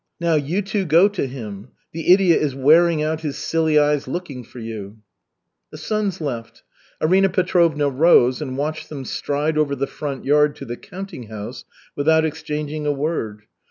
Now you two go to him. The idiot is wearing out his silly eyes looking for you." The sons left. Arina Petrovna rose and watched them stride over the front yard to the counting house without exchanging a word.